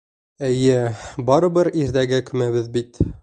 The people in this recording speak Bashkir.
Эйе, барыбер иртәгә күмәбеҙ бит!